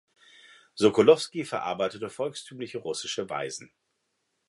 Sokolowski verarbeitete volkstümliche russische Weisen.